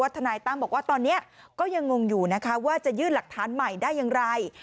ทนายตั้มบอกว่าตอนนี้ก็ยังงงอยู่นะคะว่าจะยื่นหลักฐานใหม่ได้อย่างไร